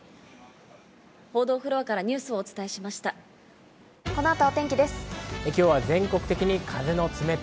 報道フロアからニュースをお伝えしました。